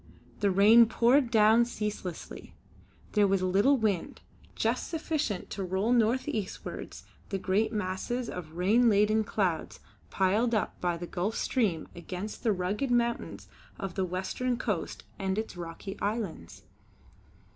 The rain poured down ceaselessly. There was little wind, just sufficient to roll north eastwards the great masses of rain laden clouds piled up by the Gulf Stream against the rugged mountains of the western coast and its rocky islands.